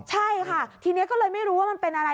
ใช่ค่ะทีนี้ก็เลยไม่รู้ว่ามันเป็นอะไร